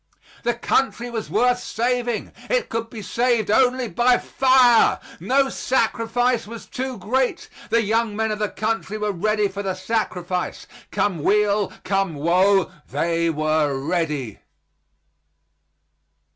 The country was worth saving; it could be saved only by fire; no sacrifice was too great; the young men of the country were ready for the sacrifice; come weal, come woe, they were ready.